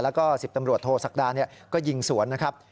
แล้วก็๑๐ตำรวจโทษศักดาก็ยิงสวนนะครับ